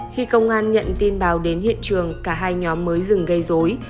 khi công an nhận tin báo đến hiện trường cả hai nhóm mới dừng gây dối